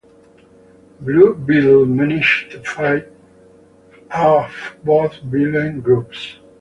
Blue Beetle manages to fight off both villain groups.